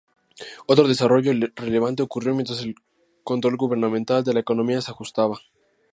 Otro desarrollo relevante ocurrió mientras el control gubernamental de la economía se ajustaba.